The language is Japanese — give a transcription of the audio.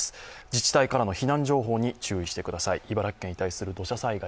自治体からの避難情報に注意してください。